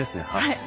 はい。